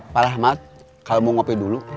pak rahmat kalau mau ngopi dulu